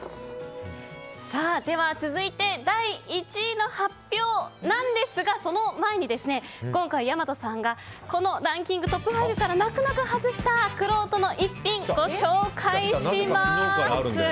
では続いて第１位の発表なんですがその前に、今回、大和さんが泣く泣く外したくろうとの逸品ご紹介します。